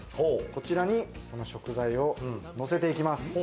こちらに食材をのせていきます。